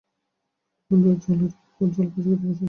সুধাকান্তবাবু চুলার সামনে জলচৌকিতে বসেছেন।